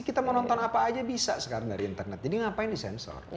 kita mau nonton apa saja bisa sekarang dari internet jadi ngapain disensor